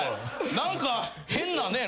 何か変なね